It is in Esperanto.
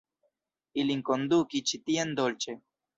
Ilin konduki ĉi tien dolĉe.